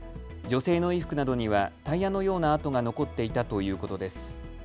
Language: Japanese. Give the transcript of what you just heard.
女性の衣服などにはタイヤのような跡が残っていたということです。